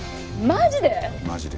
マジです。